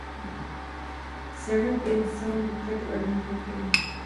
سړک د انسان د تګ اړین توکی دی.